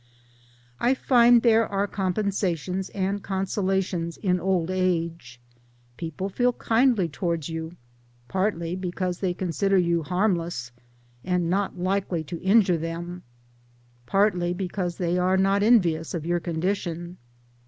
" I find there are compensations and consolations in old age. People feel kindly towards you partly because they consider you harmless and not likely to injure them, partly because they are not envious of your condition.